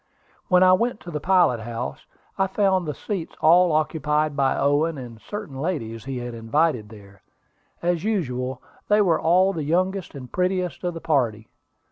When I went to the pilot house, I found the seats all occupied by Owen and certain ladies he had invited there. As usual they were all the youngest and prettiest of the party.